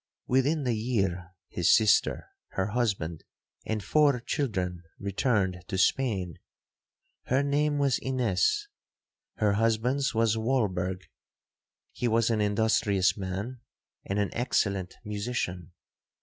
'Within the year, his sister, her husband, and four children, returned to Spain. Her name was Ines, her husband's was Walberg. He was an industrious man, and an excellent musician.